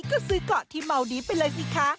ก็ซื้อเกาะที่เมาดีไปเลยสิคะ